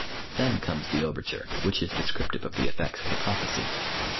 Then comes the overture, which is descriptive of the effects of the prophecy.